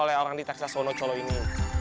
dengan yang dilakukan oleh orang di texas wonocolo ini